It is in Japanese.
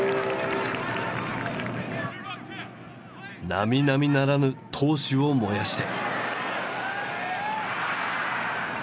なみなみならぬ闘志を燃やして。